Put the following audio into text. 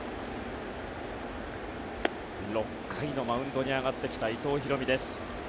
６回のマウンドに上がってきた伊藤です。